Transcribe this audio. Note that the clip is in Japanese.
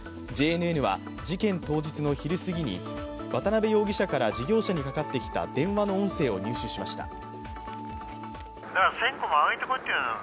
ＪＮＮは、事件当日の昼すぎに渡辺容疑者から事業者にかかってきた電話の音声を入手しました。